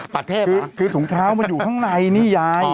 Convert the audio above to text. ประเทศคือถุงเท้ามันอยู่ข้างในนี่ยาย